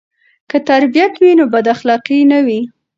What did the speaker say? که تربیت وي نو بداخلاقي نه وي.